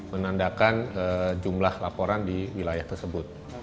menandakan jumlah laporan di wilayah tersebut